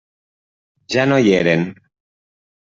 Ja no hi eren.